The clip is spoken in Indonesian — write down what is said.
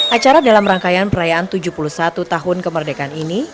acara dalam rangkaian perayaan tujuh puluh satu tahun kemerdekaan ini